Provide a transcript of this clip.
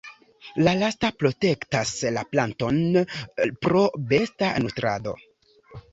La lasta protektas la planton pro besta nutrado.